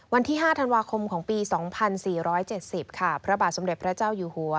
วันที่๕ธันวาคมของปี๒๔๗๐ค่ะพระบาทสมเด็จพระเจ้าอยู่หัว